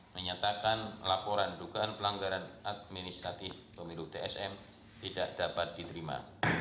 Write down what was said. menyatakan laporan dugaan pelanggaran administratif pemilu tsm tidak dapat diterima